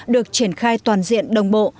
được triển khai toàn diện đồng bộ